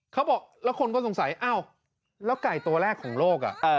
เขาบอกแล้วคนก็สงสัยอ้าวแล้วไก่ตัวแรกของโลก